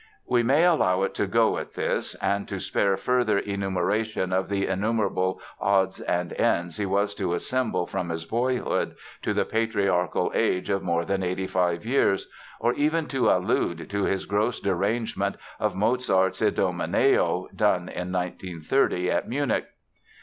We may allow it to go at this and to spare further enumeration of the innumerable odds and ends he was to assemble from his boyhood to the patriarchal age of more than 85 years; or even to allude to his gross derangement of Mozart's "Idomeneo", done in 1930 at Munich.